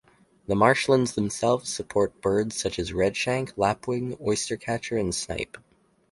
The marshlands themselves support birds such as redshank, lapwing, oystercatcher and snipe.